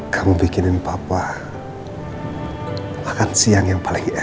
kamu bikinin papa makan siang yang paling enak